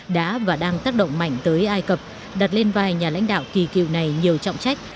đã và đang tác động mạnh tới ai cập đặt lên vai nhà lãnh đạo kỳ cựu này nhiều trọng trách